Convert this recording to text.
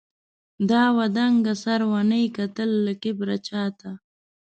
دا وه دنګه سروه، نې کتل له کبره چاته